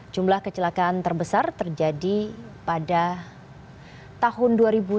jumlah kecelakaan terbesar terjadi pada tahun dua ribu sembilan belas